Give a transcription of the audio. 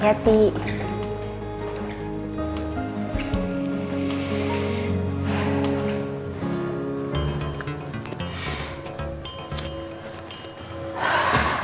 sampai jumpa lagi